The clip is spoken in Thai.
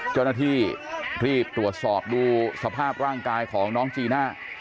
เจ้าหน้าที่รีบตรวจสอบดูสภาพร่างกายของน้องจีน่า